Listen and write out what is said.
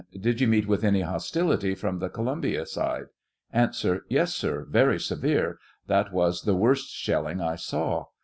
Did you meet with any hostility from the Colum bia side ? A. Yes, sir, very severe ; that was the worst shelling I saw.